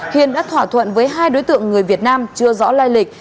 hiền đã thỏa thuận với hai đối tượng người việt nam chưa rõ lai lịch